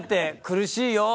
苦しいよ。